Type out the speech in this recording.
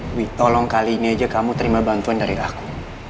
wi tolong kali ini aja kamu terima bantuan dari aku